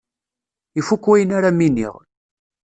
Ifuk wayen ara m-iniɣ.